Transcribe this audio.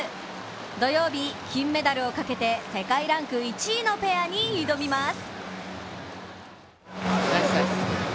土曜日、金メダルをかけて世界ランク１位のペアに挑みます。